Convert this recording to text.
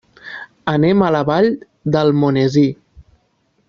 Anem a la Vall d'Almonesir.